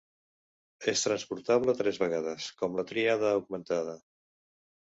És transportable tres vegades, com la tríada augmentada.